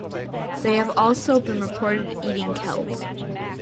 They have also been reported eating kelp.